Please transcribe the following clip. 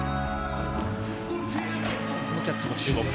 このキャッチも注目。